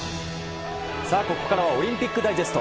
ここからはオリンピックダイジェスト。